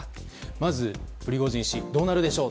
まずプリゴジン氏どうなるでしょう？